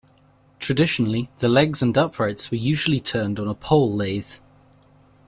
Traditionally, the legs and uprights were usually turned on a pole lathe.